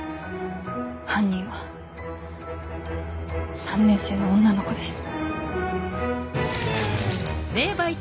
犯人は３年生の女の子です。